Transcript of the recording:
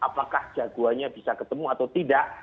apakah jagoannya bisa ketemu atau tidak